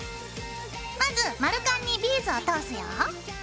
まず丸カンにビーズを通すよ。